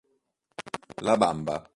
La Bamba